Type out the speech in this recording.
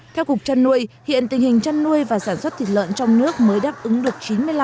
theo cục trăn nuôi hiện tình hình chăn nuôi và sản xuất thịt lợn trong nước mới đáp ứng được chín mươi năm